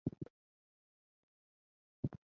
县治曼宁。